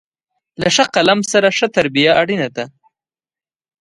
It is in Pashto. له ښه قلم سره، ښه تربیه اړینه ده.